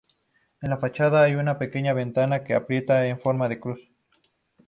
En la fachada hay una pequeña ventana de aspillera en forma de cruz.